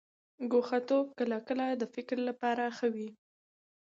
ګوښه توب کله کله د فکر لپاره ښه وي.